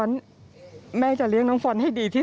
อยู่ดีมาตายแบบเปลือยคาห้องน้ำได้ยังไง